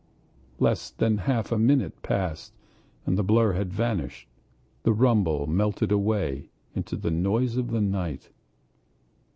Less than half a minute passed and the blur had vanished, the rumble melted away into the noise of the night.